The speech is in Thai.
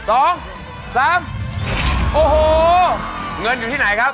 โอ้โหเงินอยู่ที่ไหนครับ